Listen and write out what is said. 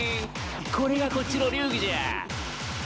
これがこっちの流儀じゃ！